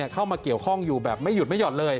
เข้ามาเกี่ยวข้องอยู่แบบไม่หยุดไม่ห่อนเลย